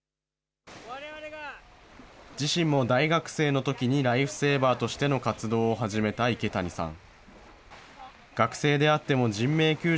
自身も大学生のときにライフセーバーとしての活動を始めた池谷さん。